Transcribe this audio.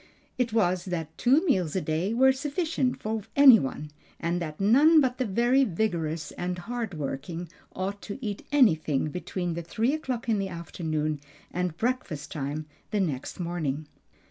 It was that two meals a day were sufficient for any one, and that none but the very vigorous and hard working ought to eat anything between three o'clock in the afternoon and breakfast time the next morning.